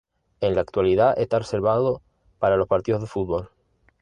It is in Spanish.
En la actualidad está reservado para los partidos de fútbol.